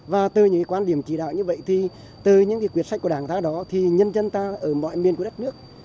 và từ những cái quan điểm chỉ đạo như vậy thì từ những cái quyệt sách của đảng ta đó thì nhân dân ta ở mọi miền của đất nước